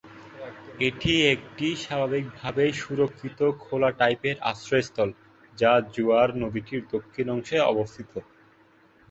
এটি একটি স্বাভাবিকভাবেই সুরক্ষিত খোলা টাইপের আশ্রয়স্থল, যা জুয়ার নদীটির দক্ষিণ অংশে অবস্থিত।